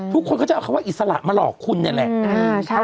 ทุกคนก็จะเอาคำว่าอิสระมาหลอกคุณเนี่ยแหละ